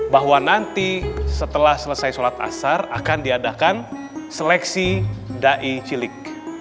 bahwa nanti setelah selesai sholat asar akan diadakan seleksi da'i cilik